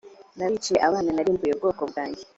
nabiciye abana narimbuye ubwoko bwanjye